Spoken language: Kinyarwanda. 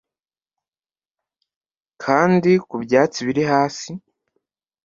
kandi ku byatsi biri hasi